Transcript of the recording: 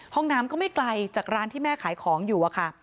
ห้องน้ำก็ไม่ไกลจากร้านที่แม่ขายของอยู่อะค่ะ